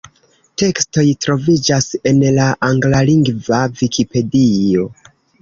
Tekstoj troviĝas en la anglalingva Vikipedio.